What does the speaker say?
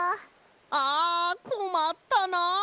あこまったな。